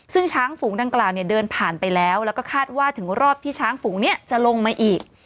ซึ่งช้างฝูงดังกล่าวเนี่ยเดินผ่านไปแล้วแล้วก็คาดว่าถึงรอบที่ช้างฝูงเนี่ยจะลงมาอีก